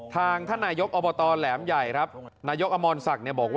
ตามตาไหล่นิด